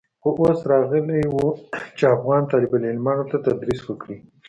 خو اوس راغلى و چې افغان طالب العلمانو ته تدريس وکړي.